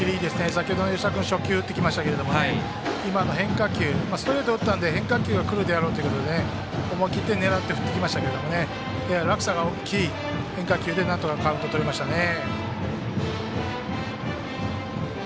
先ほどは吉田君初球打ってきましたけど今の変化球ストレートを打ったので変化球がくるであろうという思い切って狙って振ってきましたけれども落差が大きい変化球でなんとかカウントとれましたね。